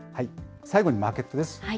最後にマーケットです。